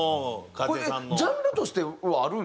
これジャンルとしてはあるんですか？